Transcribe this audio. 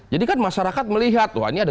jadi kan masyarakat melihat wah ini ada